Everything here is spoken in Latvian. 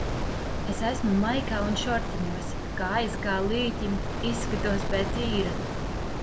Es esmu maikā un šortiņos, kājas kā līķim, izskatos pēc īra.